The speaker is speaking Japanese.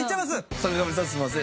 坂上さんすみません！